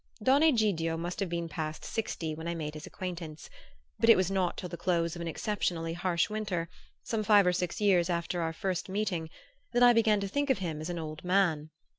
Don Egidio must have been past sixty when I made his acquaintance; but it was not till the close of an exceptionally harsh winter, some five or six years after our first meeting, that I began to think of him as an old man.